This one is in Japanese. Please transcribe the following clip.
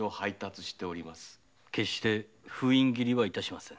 決して封印切りは致しませぬ。